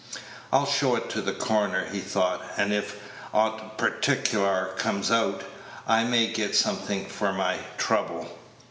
"I'll show it to the coroner," he thought, "and if aught particklar comes out, I may get something for my trouble."